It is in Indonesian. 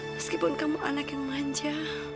meskipun kamu anak yang manja